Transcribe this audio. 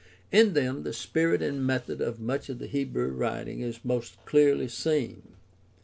In them the spirit and method of much of the Hebrew writing is most clearly seen.